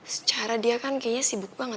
secara dia kan kayaknya sibuk banget